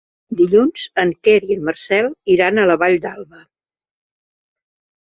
Dilluns en Quer i en Marcel iran a la Vall d'Alba.